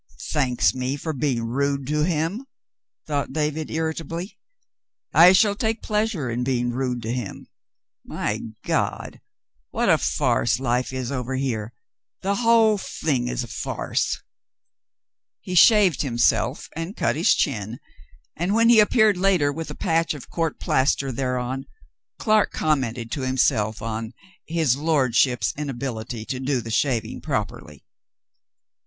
"Thanks me for being rude to him," thought David, irritably ; "I shall take pleasure in being rude to him. My God ! What a farce life is over here ! The whole thing is a farce." He shaved himself and cut his chin, and when he ap peared later with a patch of court plaster thereon, Clark commented to himself on "his lordship's" inability to do the shaving properly.